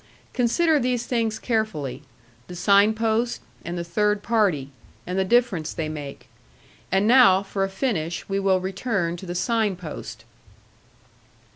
Consider these things carefully, the sign post and the third party, and the difference they make. And now, for a finish, we will return to the sign post.